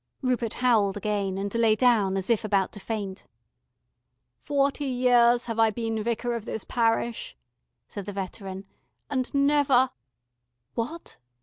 Rupert howled again, and lay down as if about to faint. "Forty years have I been Vicar of this parish," said the veteran, "and never " "What?"